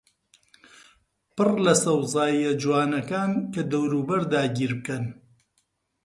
پڕ لە سەوزاییە جوانەکان کە دەوروبەر داگیربکەن